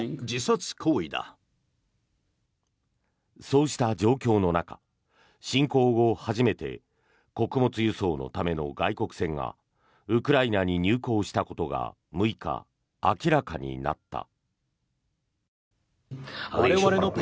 そうした状況の中侵攻後初めて穀物輸送のための外国船がウクライナに入港したことが６日、明らかになった。